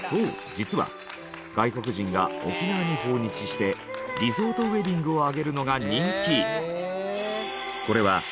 実は外国人が沖縄に訪日してリゾートウエディングを挙げるのが人気！